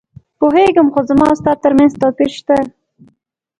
پوهېږم، خو زما او ستا ترمنځ توپیر شته.